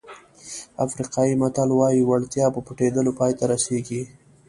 افریقایي متل وایي وړتیا په پټېدلو پای ته رسېږي.